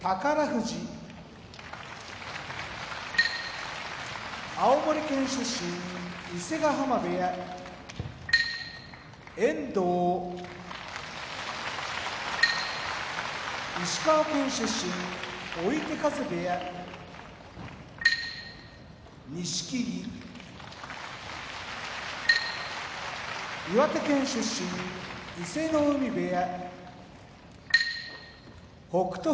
富士青森県出身伊勢ヶ濱部屋遠藤石川県出身追手風部屋錦木岩手県出身伊勢ノ海部屋北勝